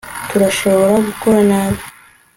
turashobora gukora nabi